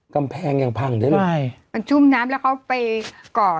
กำแพงยังพังได้เลยใช่มันชุ่มน้ำแล้วเขาไปก่อ